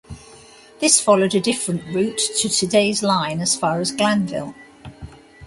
This followed a different route to today's line as far as Glanville.